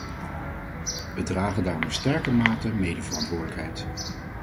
We dragen daarom in sterke mate medeverantwoordelijkheid.